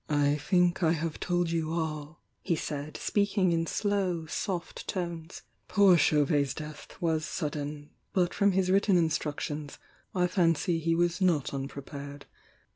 "I think I have told you all," he said, speaking in slow soft tonrs. "Poor Chauvet's death was sudden, but from his written instructions I fancy he was not unprepared.